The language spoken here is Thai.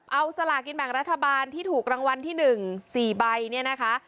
เอาสลากินแบ่งรัฐบาลที่ถูกรางวัลที่๑๔ใบเนี่ยนะคะ